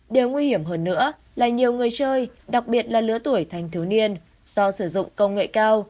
điều nguy hiểm hơn nữa là nhiều người chơi đặc biệt là lứa tuổi thanh thiếu niên do sử dụng công nghệ cao